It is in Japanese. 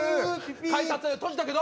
改札閉じたけど。